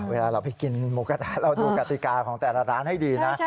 เวลาเราไปกินหมูกระทะเราดูกติกาของแต่ละร้านให้ดีนะ